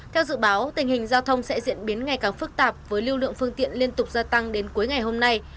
theo dự báo tình hình giao thông sẽ diễn biến ngày càng phức tạp với lưu lượng phương tiện liên tục gia tăng đến cuối ngày hôm nay